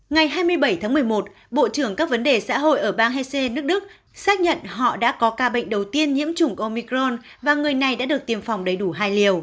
ngày hai mươi bảy tháng một mươi một bộ trưởng các vấn đề xã hội ở bang hec nước đức xác nhận họ đã có ca bệnh đầu tiên nhiễm chủng omicron và người này đã được tiêm phòng đầy đủ hai liều